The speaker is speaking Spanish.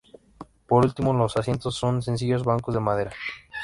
Por último, los asientos son sencillos bancos de madera.